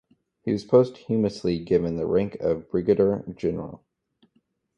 He was posthumously given the rank of Brigadier General.